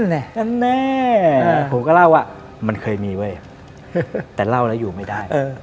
แน่กันแน่ผมก็เล่าว่ามันเคยมีเว้ยแต่เล่าแล้วอยู่ไม่ได้